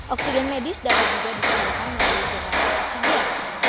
oksigen medis dapat juga disalurkan melalui jenis oksigen